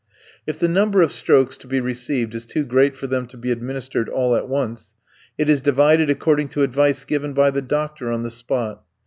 If the number of strokes to be received is too great for them to be administered all at once, it is divided according to advice given by the doctor on the spot.